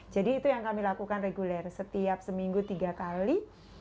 jadi itu yang kami lakukan reguler setiap seminggu tiga kali